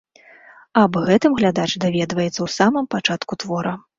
Аб гэтым глядач даведваецца ў самым пачатку твора.